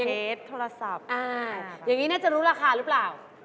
เคสโทรศัพท์อย่างนี้น่าจะรู้ราคาหรือเปล่า